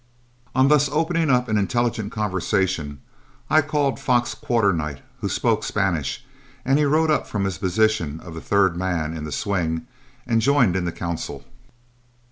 On thus opening up an intelligible conversation, I called Fox Quarternight, who spoke Spanish, and he rode up from his position of third man in the swing and joined in the council.